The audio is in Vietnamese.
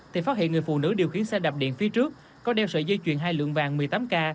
thì phát hiện người phụ nữ điều khiển xe đạp điện phía trước có đeo sợi dây chuyền hai lượng vàng một mươi tám k